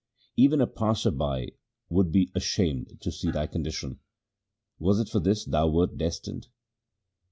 Even a passer by would be ashamed to see thy con dition. Was it for this thou wert destined